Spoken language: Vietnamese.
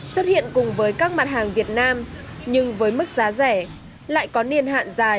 xuất hiện cùng với các mặt hàng việt nam nhưng với mức giá rẻ lại có niên hạn dài